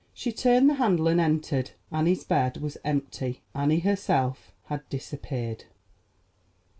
She turned the handle and entered, Annie's bed was empty—Annie herself had disappeared.